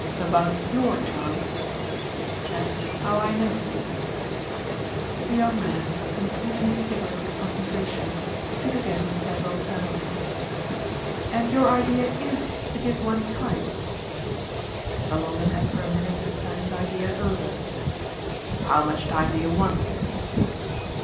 "About YOUR chance? That's how I know." The young man, consuming his cigarette with concentration, took again several turns. "And your idea IS to give one time?" Mr. Longdon had for a minute to turn his idea over. "How much time do you want?"